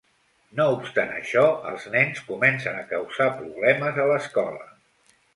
No obstant això, els nens comencen a causar problemes a l'escola.